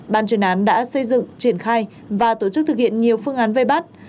ban chuyên án đã xây dựng triển khai và tổ chức thực hiện nhiều phương án vây bắt